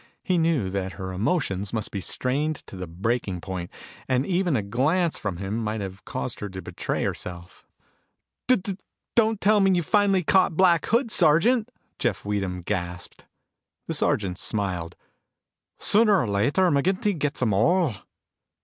He knew that her emotions must be strained to the breaking point, and even a glance from him might have caused her to betray herself. "D d don't tell me you've finally caught Black Hood, Sergeant!" Jeff Weedham gasped. The sergeant smiled. "Sooner or later, McGinty gets 'em all."